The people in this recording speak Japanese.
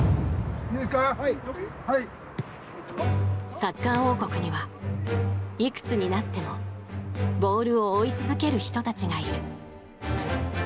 サッカー王国にはいくつになってもボールを追い続ける人たちがいる。